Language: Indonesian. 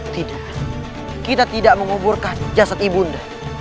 tidak kita tidak menguburkan jasad ibu unda